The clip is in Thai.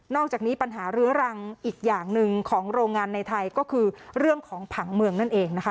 อกจากนี้ปัญหาเรื้อรังอีกอย่างหนึ่งของโรงงานในไทยก็คือเรื่องของผังเมืองนั่นเองนะคะ